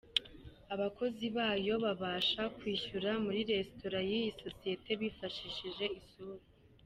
Abakozi bayo babasha kwishyura muri restaurant y’iyi sosiyete bifashishije isura.